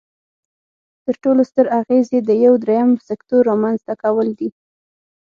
تر ټولو ستر اغیز یې د یو دریم سکتور رامینځ ته کول دي.